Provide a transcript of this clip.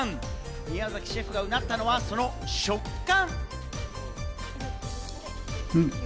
宮崎シェフがうなったのは、その食感。